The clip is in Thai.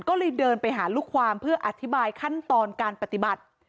ก็เลยเดินไปหาลูกความเพื่ออธิบายขั้นตอนการปฏิบัติ